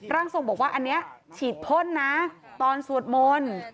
ร่างทรงบอกว่าอันนี้ฉีดพ่นนะตอนสวดมนต์